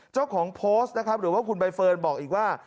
เจ้าของโพสต์นะครับหรือว่าคุณใบเฟิร์นบอกอีกว่า